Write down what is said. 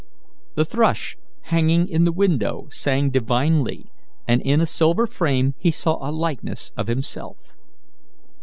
The thrush hanging in the window sang divinely, and in a silver frame he saw a likeness of himself.